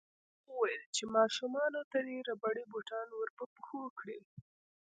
هغه وویل چې ماشومانو ته دې ربړي بوټان ورپه پښو کړي